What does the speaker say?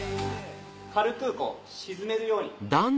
軽くこう沈めるように。